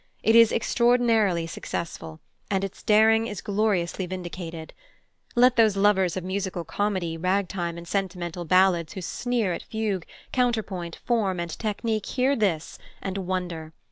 It is extraordinarily successful, and its daring is gloriously vindicated. Let those lovers of musical comedy, ragtime, and sentimental ballads who sneer at fugue, counterpoint, form, and technique hear this, and wonder.